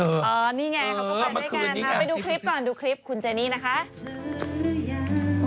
เอ้านี่ไงคำภาพกันให้กันมาเดี๋ยวดูคลิปก่อนดูคลิปคุณแจงนนี่นะคะ